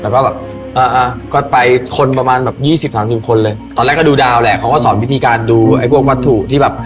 ก็อะก็ไปคนประมาณ๒๐๓๐คนเลยตอนแรกก็ดูดาวค่ะมันก็สอนวิธีการดูพวกวัตถุที่แบบ